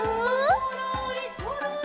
「そろーりそろり」